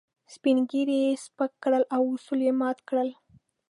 سپين ږيري يې سپک کړل او اصول يې مات کړل.